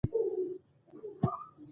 استاد د زړونو ژبه پېژني.